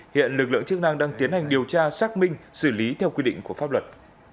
hiện lực lượng chức năng đang tiến hành điều tra xác minh xử lý theo quy định của pháp luật